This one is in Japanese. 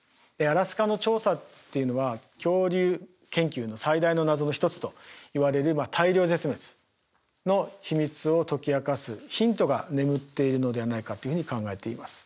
アラスカの調査っていうのは恐竜研究の最大の謎の一つといわれる大量絶滅の秘密を解き明かすヒントが眠っているのではないかというふうに考えています。